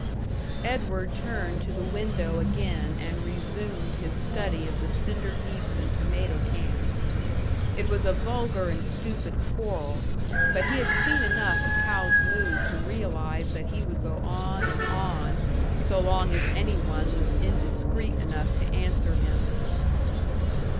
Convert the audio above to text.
Edward turned to the window again and resumed his study of the cinder heaps and tomato cans. It was a vulgar and stupid quarrel, but he had seen enough of Hal's mood to realise that he would go on and on, so long as any one was indiscreet enough to answer him.